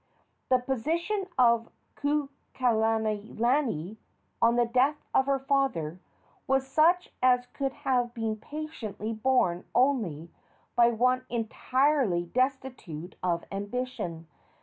The position of Kukailani, on the death of his father, was such as could have been patiently borne only by one entirely destitute of ambition.